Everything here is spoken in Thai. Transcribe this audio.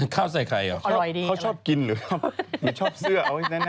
เขาชอบกินหรือชอบเสื้อให้แนะ